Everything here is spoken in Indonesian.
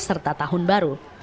serta tahun baru